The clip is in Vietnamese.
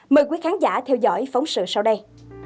mời quý khán giả theo dõi phóng sự sau đây